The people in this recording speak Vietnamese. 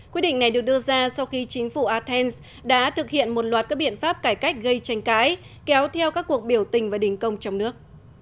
quyết định này được đưa ra sau khi chính phủ athens đã thực hiện một loạt các biện pháp cải cách gây tranh cãi kéo theo các cuộc biểu tình và đình công trong nước